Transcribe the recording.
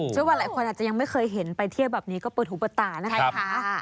เชื่อว่าหลายคนอาจจะยังไม่เคยเห็นไปเที่ยวแบบนี้ก็เปิดหูเปิดตานะคะ